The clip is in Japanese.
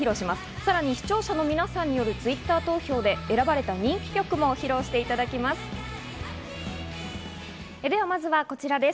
さらに視聴者の皆さんによるＴｗｉｔｔｅｒ投票で選ばれた人気曲も披露していただきます。